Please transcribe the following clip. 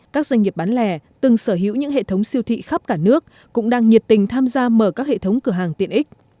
các doanh nghiệp bán lẻ từng sở hữu những hệ thống siêu thị khắp cả nước cũng đang nhiệt tình tham gia mở các hệ thống cửa hàng tiện ích